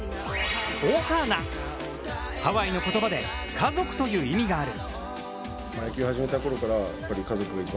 ハワイの言葉で家族という意味がある。